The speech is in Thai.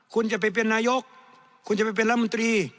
คุณจะไปเป็นนายกคุณจะไปเป็นรัฐมนตรี